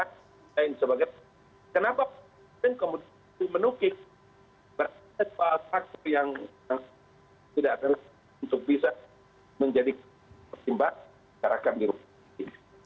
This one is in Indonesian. kenapa kemudian menukis beraset bahwa faktor yang tidak tersebut untuk bisa menjadi pertimbangan